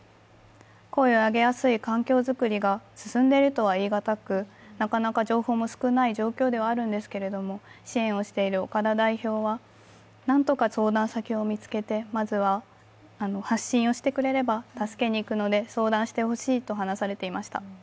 声を上げやすい環境づくりが進んでいるとは言いがたく、なかなか情報も少ない状況ではあるんですけれども、支援をしている岡田代表は、何とか相談先を見つけてまずは発信をしてくれれば助けに行くので相談してほしいと話されていました。